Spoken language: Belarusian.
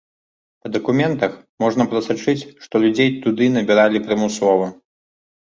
Па дакументах можна прасачыць, што людзей туды набіралі прымусова.